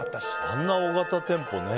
あんな大型店舗ね。